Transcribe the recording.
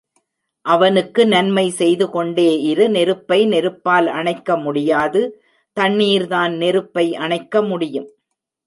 அவனுக்கு நன்மை செய்துகொண்டே இரு நெருப்பை நெருப்பால் அணைக்க முடியாது தண்ணீர்தான் நெருப்பை அணைக்க முடியும்.